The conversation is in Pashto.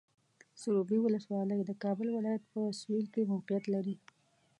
سروبي ولسوالۍ د کابل ولایت په سویل کې موقعیت لري.